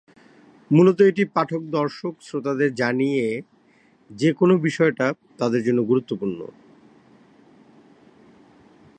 মূলত এটি পাঠক-দর্শক-শ্রোতাদের জানিয়ে যে কোন বিষয়টা তাদের জন্য গুরুত্বপূর্ণ।